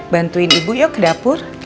bantuin ibu yuk ke dapur